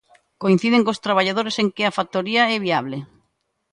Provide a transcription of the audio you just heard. Coinciden cos traballadores en que a factoría é viable.